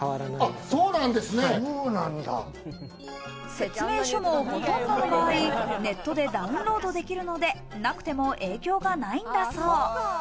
説明書もほとんどの場合、ネットでダウンロードできるので、なくても影響がないんだそう。